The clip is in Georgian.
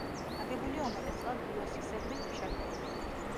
აგებულია უმეტესწილად ლიოსისებრი ქვიშაქვებით.